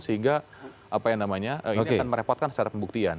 sehingga apa yang namanya ini akan merepotkan secara pembuktian